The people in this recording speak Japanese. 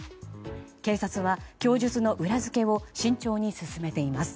警察は供述の裏付けを慎重に進めています。